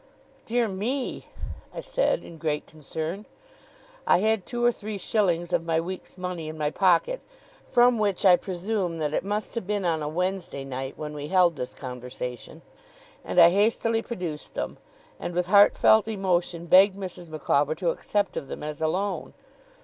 'Dear me!' I said, in great concern. I had two or three shillings of my week's money in my pocket from which I presume that it must have been on a Wednesday night when we held this conversation and I hastily produced them, and with heartfelt emotion begged Mrs. Micawber to accept of them as a loan.